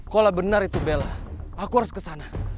kalau benar itu bella aku harus ke sana